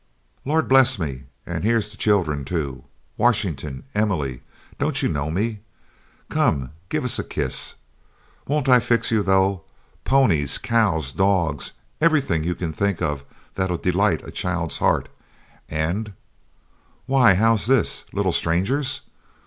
Lord bless me and here's the children, too! Washington, Emily, don't you know me? Come, give us a kiss. Won't I fix you, though! ponies, cows, dogs, everything you can think of that'll delight a child's heart and Why how's this? Little strangers?